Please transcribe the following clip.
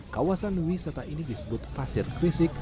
kawasan wisata ini disebut pasir krisik